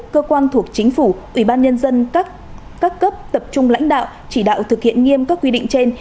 cơ quan thuộc chính phủ ủy ban nhân dân các cấp tập trung lãnh đạo chỉ đạo thực hiện nghiêm các quy định trên